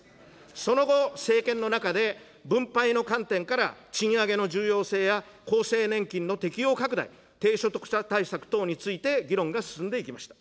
その後、政権の中で、分配の観点から賃上げの重要性や厚生年金の適用拡大、低所得者対策等について議論が進んでいきました。